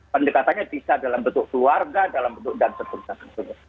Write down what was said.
pendekatannya bisa dalam bentuk keluarga dalam bentuk dan seterusnya